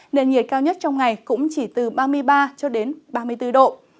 nền nhiệt cao nhất trong ngày cũng chỉ từ ba mươi ba cho đến ba mươi bốn độ